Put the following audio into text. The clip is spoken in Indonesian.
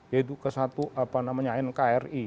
yaitu ke satu apa namanya nkri